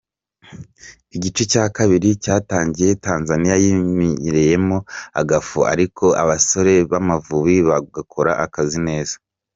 Igice cya kabiri cyatangiye Tanzania yiminjiriyemo agafu ariko abasore b’Amavubi bagakora akazi neza.